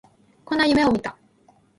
こんな夢を見た